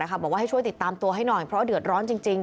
บอกว่าให้ช่วยติดตามตัวให้หน่อยเพราะเดือดร้อนจริง